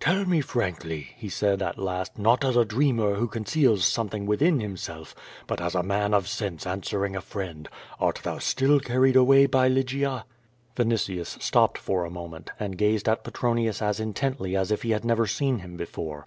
"Tell me frankly," he said, at last, "not as a dreamer who conceals something within himself, but as a man of sense answering a friend. Art thou still carried away by Lygia?" Vinitius stopped for a moment, and gazed at Petronius as intently as if he had never seen him before.